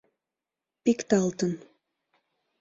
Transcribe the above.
Пикталтын.